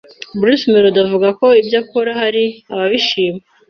Bruce Melodie avuga ko ibyo akora hari ababishima